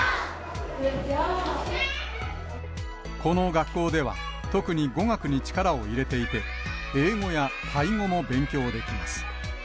この学校では、特に語学に力を入れていて、英語やタイ語も勉強できます。